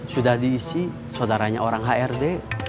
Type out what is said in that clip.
sudah diisi saudaranya orang hrd